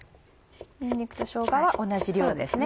にんにくとしょうがは同じ量ですね。